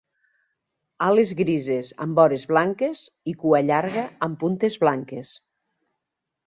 Ales grises amb vores blanques, i cua llarga amb puntes blanques.